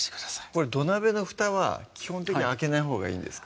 これ土鍋のふたは基本的に開けないほうがいいんですか？